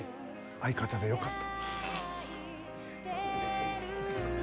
相方でよかった。